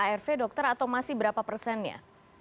arv dokter atau masih berapa persennya